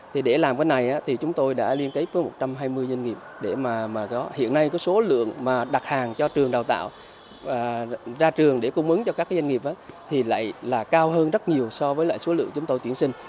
thì để làm cái này thì chúng tôi đã liên kết với một trăm hai mươi doanh nghiệp để mà hiện nay cái số lượng mà đặt hàng cho trường đào tạo ra trường để cung ứng cho các doanh nghiệp thì lại là cao hơn rất nhiều so với lại số lượng chúng tôi tuyển sinh